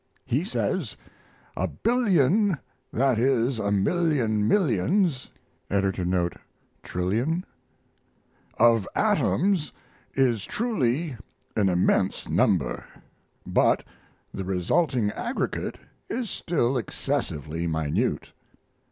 He says: "A billion, that is a million millions,[?? Trillion D.W.] of atoms is truly an immense number, but the resulting aggregate is still excessively minute.